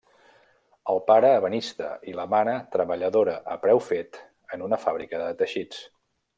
El pare, ebenista i la mare, treballadora a preu fet en una fàbrica de teixits.